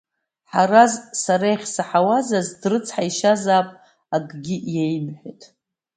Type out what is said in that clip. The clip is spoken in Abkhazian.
Ҳараз сара иахьсаҳауа азы дазрыцҳаишьазаап акгьы иеимҳәеит.